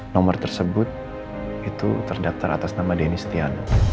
nomor tersebut itu terdaftar atas nama denny setiano